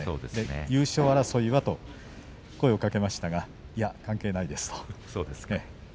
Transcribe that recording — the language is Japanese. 優勝争いはと声をかけましたがいや関係ないですと。